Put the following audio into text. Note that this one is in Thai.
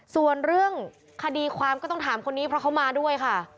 ส่วนเรื่องคดีความก็ต้องถามคนนี้เพราะเขามาด้วยค่ะ